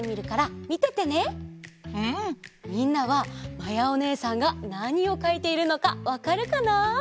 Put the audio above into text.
みんなはまやおねえさんがなにをかいているのかわかるかな？